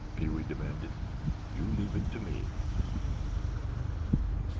Pee wee demanded. "You leave it to me."